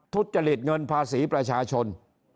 ทุจริตเงินภาษีประชาชน